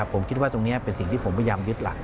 ผมคิดว่าตรงนี้เป็นสิ่งที่ผมพยายามยึดหลัก